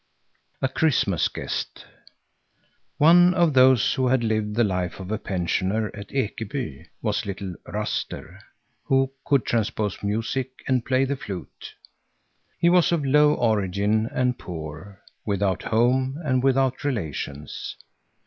A CHRISTMAS GUEST One of those who had lived the life of a pensioner at Ekeby was little Ruster, who could transpose music and play the flute. He was of low origin and poor, without home and without relations.